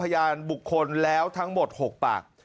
พยานบุคคลแล้วทั้งหมด๖ปาก